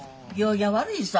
行儀が悪いさ。